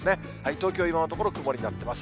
東京、今のところ曇りになってます。